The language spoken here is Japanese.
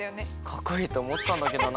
かっこいいとおもったんだけどなあ。